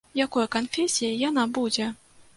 Якой канфесіі яна будзе?